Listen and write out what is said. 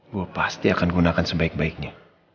gue pasti akan gunakan sebaik baiknya